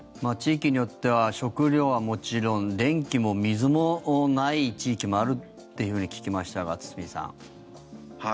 地域によっては食料はもちろん電気も水もない地域もあると聞きましたが、堤さん。